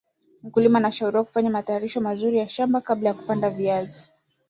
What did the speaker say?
mkulima anashauriwa kufanya matayarisho mazuri ya shamba kabla ya kupanda viazi